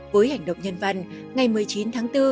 với hành động nhân văn ngày một mươi chín tháng bốn